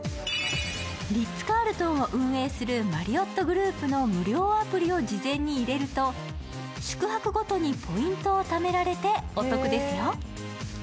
リッツ・カールトンを運営するマリオットグループの無料アプリを事前に入れると、宿泊ごとにポイントをためられてお得ですよ。